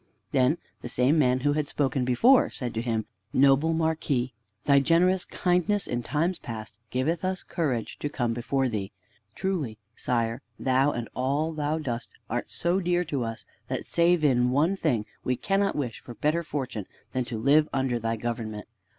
Then the same man who had spoken before said to him: "Noble Marquis, thy generous kindness in times past giveth us courage to come before thee. Truly, sire, thou and all thou dost art so dear to us that, save in one thing, we cannot wish for better fortune than to live under thy government.